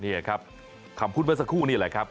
นี่ครับคำพูดเมื่อสักครู่นี่แหละครับ